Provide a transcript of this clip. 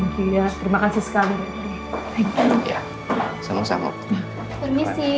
terima kasih sekali